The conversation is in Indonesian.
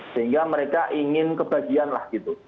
sehingga mereka ingin kebagianlah gitu